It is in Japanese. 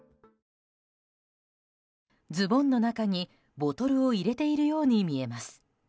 ズボンの中にボトルを入れているように見えます。